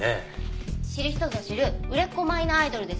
知る人ぞ知る売れっ子マイナーアイドルです。